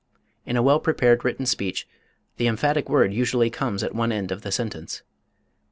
In a well prepared written speech the emphatic word usually comes at one end of the sentence.